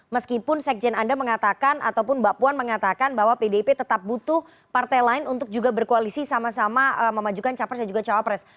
meskipun sekjen anda mengatakan ataupun mbak puan mengatakan bahwa pdip tetap butuh partai lain untuk juga berkoalisi sama sama memajukan capres dan juga cawapres